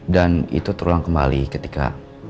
dan itu terulang kembali ketika